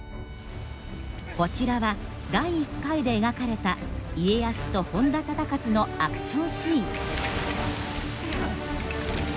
こちらは第１回で描かれた家康と本多忠勝のアクションシーン。